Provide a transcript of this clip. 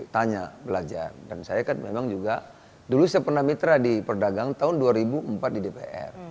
tanya belajar dan saya kan memang juga dulu saya pernah mitra di perdagang tahun dua ribu empat di dpr